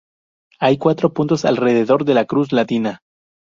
Hay cuatro puntos alrededor de la cruz latina.